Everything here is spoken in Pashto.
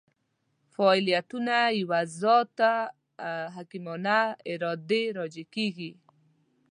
فاعلیتونه یوه ذات حکیمانه ارادې راجع کېږي.